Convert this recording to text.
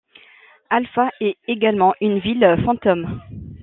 Halfa est également une ville fantôme.